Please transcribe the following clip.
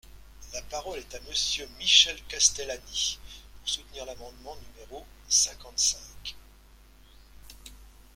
La parole est à Monsieur Michel Castellani, pour soutenir l’amendement no cinquante-cinq.